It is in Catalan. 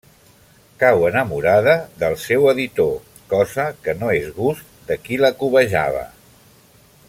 Cau enamorada del seu editor, cosa que no és gust de qui la cobejava.